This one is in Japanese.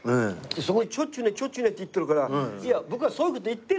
そこでちょっちゅねちょっちゅねって言ってるから「いや僕はそういう事言ってないよって」